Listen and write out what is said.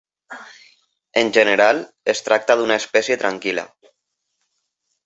En general, es tracta d'una espècie tranquil·la.